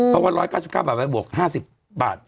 เพราะว่า๑๙๙บาทไว้บวก๕๐บาท